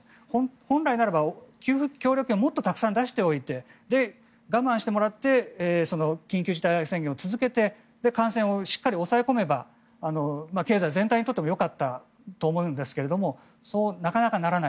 本来ならば協力金をもっとたくさん出しておいて我慢してもらって緊急事態宣言を続けて感染をしっかり抑え込めば経済全体にとってもよかったと思うんですがなかなかそうならない。